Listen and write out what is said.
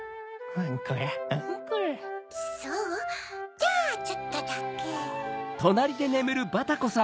じゃあちょっとだけ。